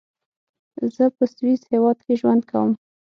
زۀ پۀ سويس هېواد کې ژوند کوم.